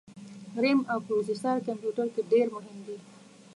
رېم او پروسیسر کمپیوټر کي ډېر مهم دي